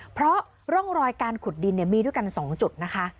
เพราะร่องรอยการขุดดินมีด้วยกัน๒จุดนะคะ